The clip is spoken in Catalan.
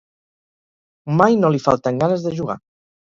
Mai no li falten ganes de jugar.